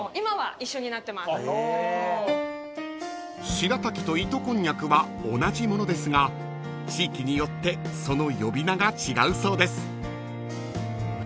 ［白滝と糸こんにゃくは同じものですが地域によってその呼び名が違うそうです］